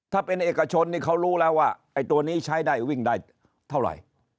ถ้าเป็นเอกชนนี่เขารู้แล้วว่าไอ้ตัวนี้ใช้ได้วิ่งได้เท่าไหร่